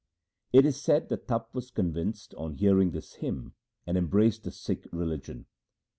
3 It is said the Tapa was convinced on hearing this hymn, and embraced the Sikh religion.